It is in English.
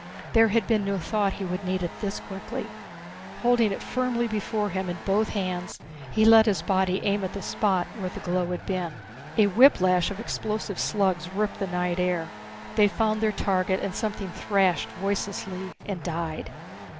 There had been no thought that he would need it this quickly. Holding it firmly before him in both hands, he let his body aim at the spot where the glow had been. A whiplash of explosive slugs ripped the night air. They found their target and something thrashed voicelessly and died.